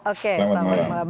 oke selamat malam